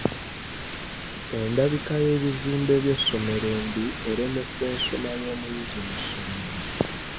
Endabika y'ebizimbe by'essomero embi eremesa ensoma y'omuyizi mu ssomero.